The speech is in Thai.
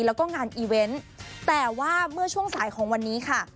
แล้วก็งานอีเวนต์แต่ว่าเมื่อช่วงสายของวันนี้ค่ะ